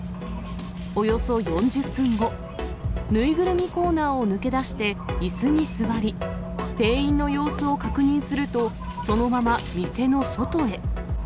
およそ４０分後、縫いぐるみコーナーを抜け出して、いすに座り、店員の様子を確認すると、そのまま店の外へ。